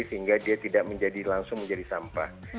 sehingga dia tidak langsung menjadi sampah